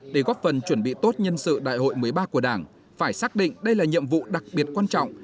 để góp phần chuẩn bị tốt nhân sự đại hội một mươi ba của đảng phải xác định đây là nhiệm vụ đặc biệt quan trọng